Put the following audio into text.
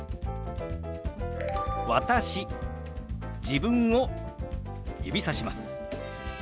自分を指さします。